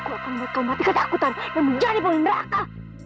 aku akan membuat kau mati kedakutan dan menjadi poin raka